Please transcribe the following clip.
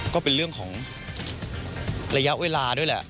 ก็เป็นเรื่องของระยะเวลาด้วยแหละ